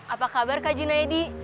apa kabar kak junaidi